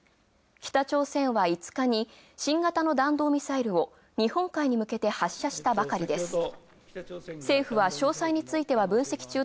北朝鮮は５日に、新型の弾道ミサイルを日本海に向けて発射下ばかりです。